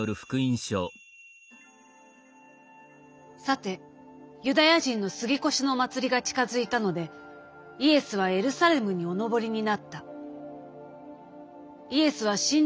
「さてユダヤ人の過越の祭りが近づいたのでイエスはエルサレムにお上りになった」。